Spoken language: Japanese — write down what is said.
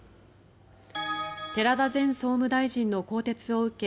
寺田前総務大臣の更迭を受け